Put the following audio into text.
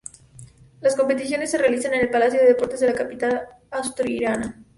Las competiciones se realizaron en el Palacio de Deportes de la capital asturiana.